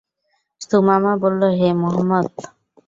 সুমামা বলল, হে মুহাম্মদ!